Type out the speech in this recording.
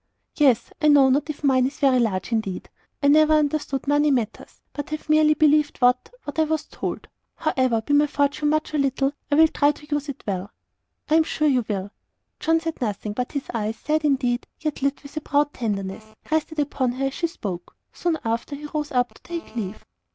"Yes. I know not if mine is very large; indeed, I never understood money matters, but have merely believed what what I was told. However, be my fortune much or little, I will try to use it well." "I am sure you will." John said nothing; but his eyes, sad indeed, yet lit with a proud tenderness, rested upon her as she spoke. Soon after, he rose up to take leave.